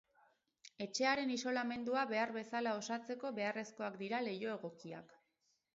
Etxearen isolamendua behar bezala osatzeko beharrezkoak dira leiho egokiak.